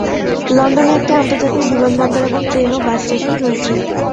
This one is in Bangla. লন্ডনে একটি আন্তর্জাতিক বিমানবন্দর এবং ট্রেন ও বাস স্টেশন রয়েছে।